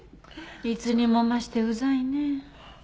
いつにも増してウザいね。